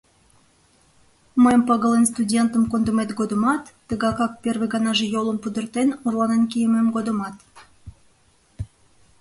Мыйым пагален студеньым кондымет годымат, тыгакак первый ганаже йолым пудыртен, орланен кийымем годымат.